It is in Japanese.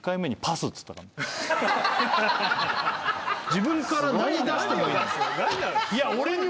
自分から何出してもいいのに。